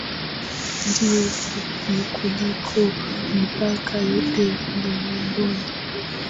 ndio mfupi kuliko mipaka yote ulimwenguni